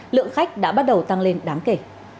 lượng khách đã bắt đầu tăng lên đáng kể